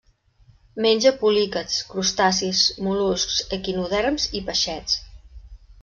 Menja poliquets, crustacis, mol·luscs, equinoderms i peixets.